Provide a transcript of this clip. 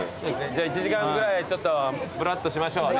じゃあ１時間ぐらいちょっとぶらっとしましょう。